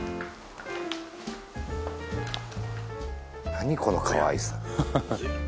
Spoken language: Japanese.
何このかわいさハハハ